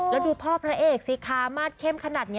แล้วดูพ่อพระเอกสิคะมาสเข้มขนาดนี้